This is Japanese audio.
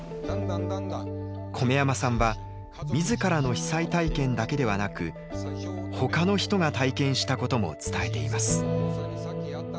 米山さんは自らの被災体験だけではなくほかの人が体験したことも伝えています。